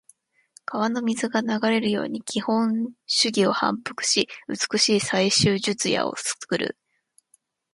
川の水が流れるように基本手技を反復し、美しい最終術野を作る。